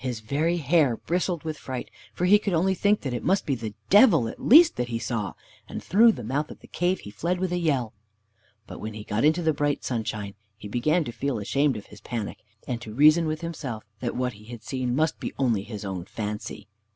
His very hair bristled with fright, for he could only think that it must be the Devil at least that he saw; and through the mouth of the cave he fled with a yell. But when he got into the bright sunshine he began to feel ashamed of his panic, and to reason with himself that what he had seen must be only his own fancy.